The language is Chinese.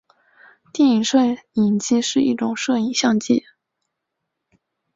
电影摄影机是一种摄影相机。